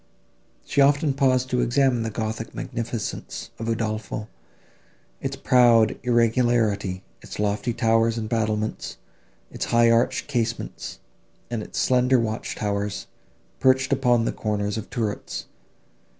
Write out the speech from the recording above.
She often paused to examine the gothic magnificence of Udolpho, its proud irregularity, its lofty towers and battlements, its high arched casements, and its slender watch towers, perched upon the corners of turrets.